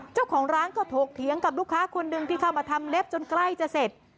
เจ้าของร้านก็ถกเถียงกับลูกค้าคนหนึ่งที่เข้ามาทำเล็บจนใกล้จะเสร็จ